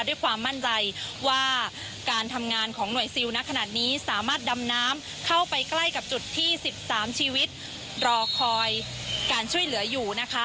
ด้วยความมั่นใจว่าการทำงานของหน่วยซิลนักขนาดนี้สามารถดำน้ำเข้าไปใกล้กับจุดที่๑๓ชีวิตรอคอยการช่วยเหลืออยู่นะคะ